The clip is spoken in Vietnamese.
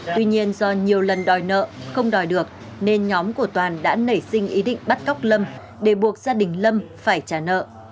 tuy nhiên do nhiều lần đòi nợ không đòi được nên nhóm của toàn đã nảy sinh ý định bắt cóc lâm để buộc gia đình lâm phải trả nợ